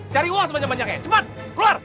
cari uang sebanyak banyaknya cuma keluar